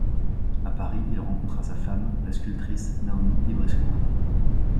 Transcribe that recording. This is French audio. À Paris, il rencontra sa femme, la sculptrice Naomi Librescu.